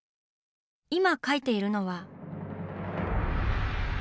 今描いているのは。